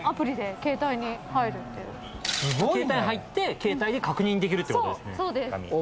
・携帯入って携帯で確認できるってことですね。